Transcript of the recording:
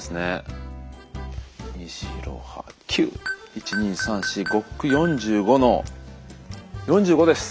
１２３４５×９＝４５の４５です。